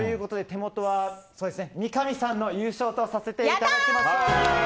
三上さんの優勝とさせていただきましょう。